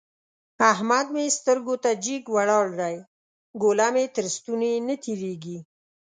احمد مې سترګو ته جګ ولاړ دی؛ ګوله مې تر ستوني نه تېرېږي.